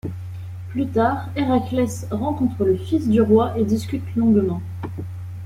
Plus tard, Héraclès rencontre le fils du roi et discute longuement.